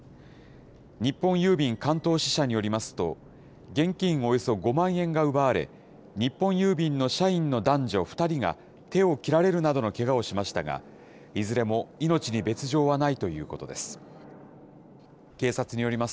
日本郵便関東支社によりますと、現金およそ５万円が奪われ、日本郵便の社員の男女２人が手を切られるなどのけがをしましたが、いずれも命に別状はないということです。